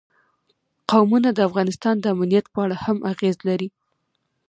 قومونه د افغانستان د امنیت په اړه هم اغېز لري.